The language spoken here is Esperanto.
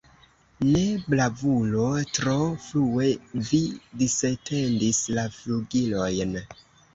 Ne, bravulo, tro frue vi disetendis la flugilojn!